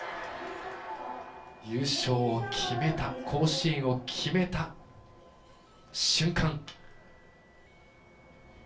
優勝を決めた甲子園を決めた瞬間。